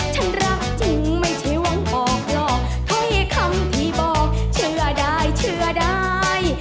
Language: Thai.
ฉันรักจริงไม่ใช่หวังออกหรอกถ้อยคำที่บอกเชื่อได้เชื่อได้